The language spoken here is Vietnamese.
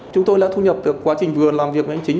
chúng tôi đã thu nhập được quá trình vườn làm việc với anh chính